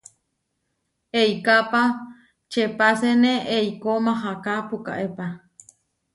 Eikápa čeepaséne eikó maháka pukaépa.